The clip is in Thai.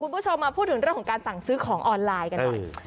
คุณผู้ชมมาพูดถึงเรื่องของการสั่งซื้อของออนไลน์กันหน่อย